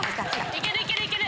いけるいけるいける。